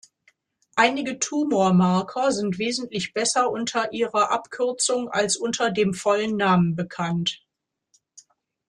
Einige Tumormarker sind wesentlich besser unter ihrer Abkürzung als unter dem vollen Namen bekannt.